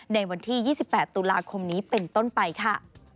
ในวันที่๒๘ตุลาคมนี้เป็นต้นไปค่ะ